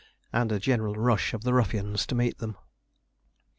and a general rush of the ruffians to meet them.